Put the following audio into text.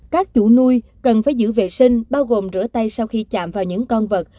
các chủ nuôi cần phải giữ vệ sinh bao gồm rửa tay sau khi chạm vào những con vật